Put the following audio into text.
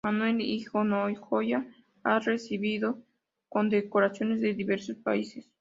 Manuel Hinojosa ha recibido condecoraciones de diversos países.